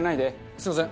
すみません。